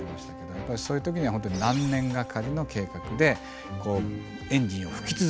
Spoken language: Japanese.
やっぱりそういうときには本当に何年がかりの計画でエンジンを噴き続けると。